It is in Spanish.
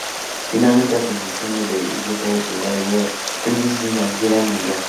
Finalmente, la construcción del edificio fue detenida debido a la crisis financiera mundial.